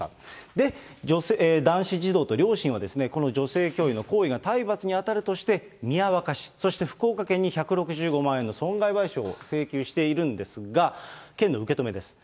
で、男子児童と両親はですね、この女性教諭の行為が体罰に当たるとして宮若市、そして福岡県に１６５万円の損害賠償を請求しているんですが、県の受け止めです。